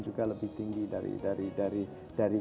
juga lebih tinggi dari